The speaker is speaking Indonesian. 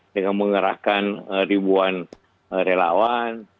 dengan mengerahkan ribuan relawan